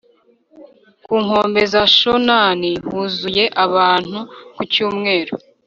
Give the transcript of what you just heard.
ku nkombe za shonan huzuye abantu ku cyumweru